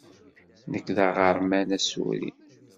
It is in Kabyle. Nekk d aɣerman asuri.